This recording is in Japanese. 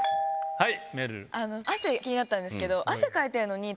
はい。